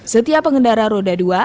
setiap pengendara roda dua